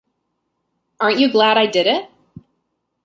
Aren't you glad I did it?